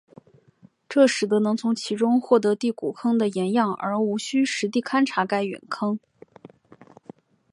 这使得能从其中获得第谷坑的岩样而无需实地勘查该陨坑。